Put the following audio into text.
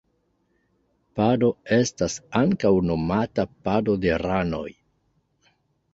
Pado esta ankaŭ nomata pado de ranoj.